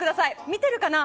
見てるかな？